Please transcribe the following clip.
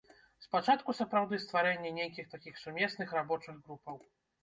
Спачатку, сапраўды, стварэнне нейкіх такіх сумесных рабочых групаў.